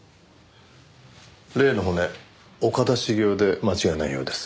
例の骨岡田茂雄で間違いないようです。